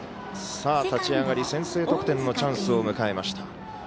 立ち上がり先制得点のチャンスを迎えました。